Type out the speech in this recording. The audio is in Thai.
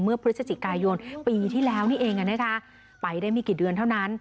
พฤศจิกายนปีที่แล้วนี่เองไปได้ไม่กี่เดือนเท่านั้น